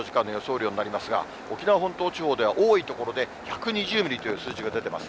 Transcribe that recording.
雨量になりますが、沖縄本島地方では、多い所で１２０ミリという数字が出てます。